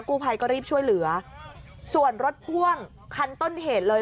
กู้ภัยก็รีบช่วยเหลือส่วนรถพ่วงคันต้นเหตุเลย